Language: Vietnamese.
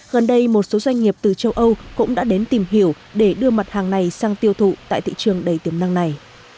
gần đây một số doanh nghiệp từ châu âu cũng đã đến tìm hiểu để đưa mặt hàng này sang tiêu thụ tại thị trường đầy tiềm năng này